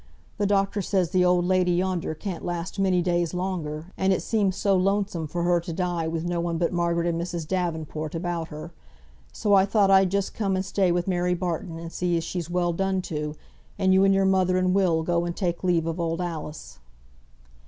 The doctor says the old lady yonder can't last many days longer, and it seems so lonesome for her to die with no one but Margaret and Mrs. Davenport about her. So I thought I'd just come and stay with Mary Barton, and see as she's well done to, and you and your mother and Will go and take leave of old Alice."